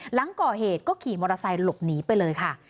หลังก่อเหตุก็ขี่มอเตอร์ไซค์หลบหนีไปเลยค่ะ